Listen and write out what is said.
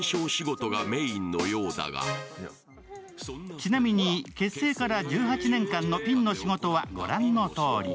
ちなみに結成から１８年間のピンの仕事は御覧のとおり。